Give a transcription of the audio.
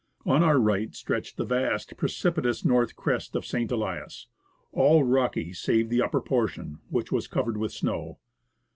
On our right, stretched the vast, precipitous north crest of St. Elias, all rocky save the upper portion, which was covered with snow.